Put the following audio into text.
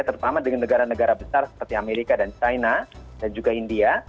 terutama dengan negara negara besar seperti amerika dan china dan juga india